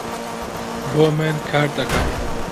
بۆ من کار دەکات.